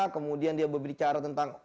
kemudian dia berbicara tentang